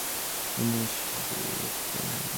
উনি নিশ্চয়ই শোকে বিপর্যস্ত।